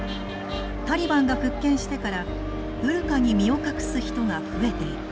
タリバンが復権してからブルカに身を隠す人が増えている。